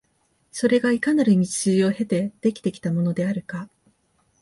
それがいかなる道筋を経て出来てきたものであるか、